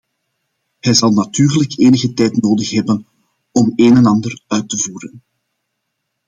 Hij zal natuurlijk enige tijd nodig hebben om een en ander uit te voeren.